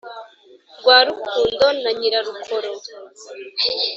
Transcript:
rwa rukundo na nyirarukoro,